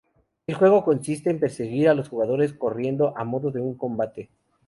El juego consiste en perseguir a los jugadores corriendo a modo de un combate.